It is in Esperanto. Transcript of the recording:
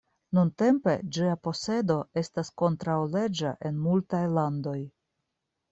Nuntempe ĝia posedo estas kontraŭleĝa en multaj landoj.